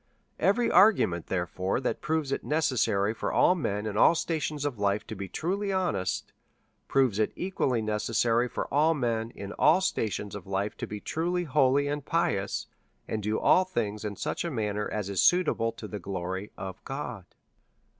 Every argument, therefore, that proves it necessary for all men, in all stations of life, to be truly honest, proves it equally necessary for all men. DEVOUT AND HOLY LIFE. i05 in all stations of life, to be truly holy and pious, and do all things in such a manner as is suitable to the glory of God.